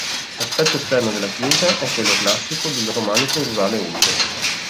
L'aspetto esterno della chiesa è quello classico del romanico rurale umbro.